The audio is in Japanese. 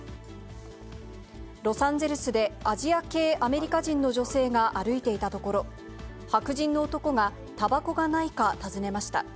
ロサンゼルスでアジア系アメリカ人の女性が歩いていたところ、白人の男がたばこがないか尋ねました。